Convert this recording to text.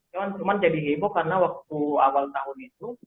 cuma cuma jadi heboh karena waktu awal tahun itu